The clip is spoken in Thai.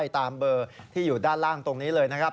ติดใจอะไรให้โทรมาครับ